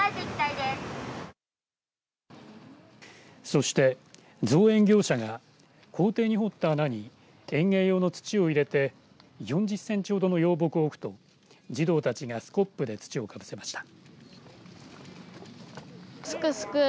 そして造園業者が校庭に掘った穴に園芸用の土を入れて４０センチほどの幼木を置くと児童たちがスコップで土をかぶせました。